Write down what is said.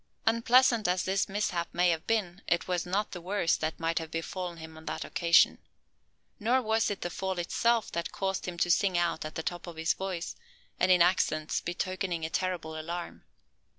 Unpleasant as this mishap may have been, it was not the worst that might have befallen him on that occasion. Nor was it the fall itself that caused him to "sing out" at the top of his voice, and in accents betokening a terrible alarm.